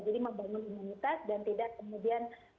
jadi membangun imunitas dan tidak kemudian